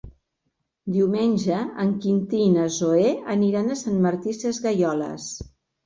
Diumenge en Quintí i na Zoè aniran a Sant Martí Sesgueioles.